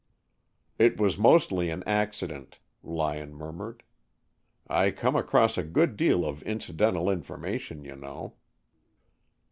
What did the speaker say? "It was mostly an accident," Lyon murmured. "I come across a good deal of incidental information, you know."